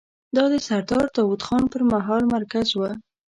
دا د سردار داوود خان پر مهال مرکز و.